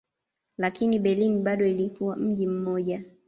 Lakini Berlin bado ilikuwa mji mmoja.